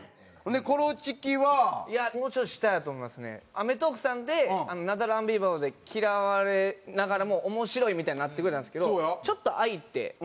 『アメトーーク』さんでナダル・アンビリバボーで嫌われながらも面白いみたいになってくれたんですけどちょっと空いてただただ。